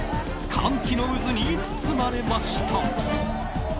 歓喜の渦に包まれました。